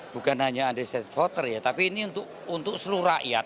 bukan hanya undecided voter ya tapi ini untuk seluruh rakyat